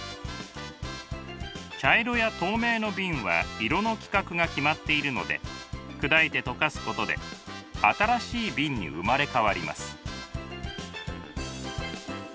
茶色や透明の瓶は色の規格が決まっているので砕いて溶かすことで新しい瓶に生まれ変わります。